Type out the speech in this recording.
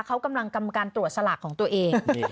เขากำลังกรรมการตรวจสลากของตัวเอง